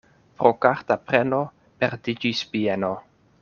Pro karta preno perdiĝis bieno.